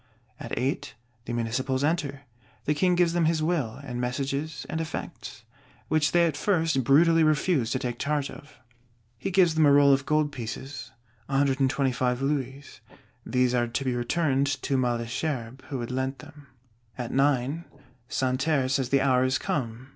At eight, the Municipals enter: the King gives them his Will, and messages and effects; which they at first brutally refuse to take charge of; he gives them a roll of gold pieces, 125 louis; these are to be returned to Malesherbes, who had lent them. At nine, Santerre says the hour is come.